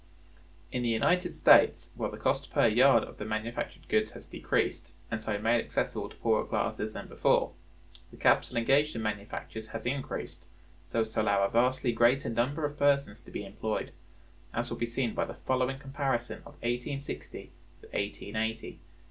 In the United States, while the cost per yard of the manufactured goods has decreased, and so made accessible to poorer classes than before, the capital engaged in manufactures has increased so as to allow a vastly greater number of persons to be employed, as will be seen by the following comparison of 1860 with 1880 taken from the last census returns.